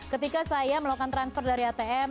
ketika saya melakukan transfer dari atm